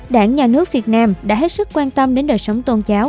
đảng nhà nước việt nam đã hết sức quan tâm đến đời sống tôn giáo